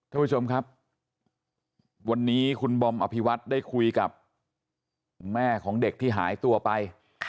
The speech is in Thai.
ท่านผู้ชมครับวันนี้คุณบอมอภิวัตได้คุยกับแม่ของเด็กที่หายตัวไป